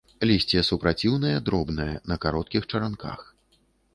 Лісце супраціўнае, дробнае, на кароткіх чаранках.